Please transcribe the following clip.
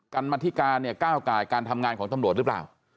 กรรมธิการเนี่ยก้าวกายการทำงานของตำรวจหรือเปล่า